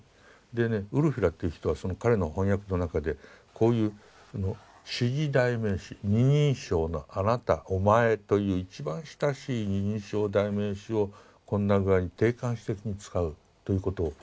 でねウルフィラっていう人はその彼の翻訳の中でこういう指示代名詞二人称の「あなた」「お前」という一番親しい二人称代名詞をこんな具合に定冠詞的に使うということを僕見ましてね。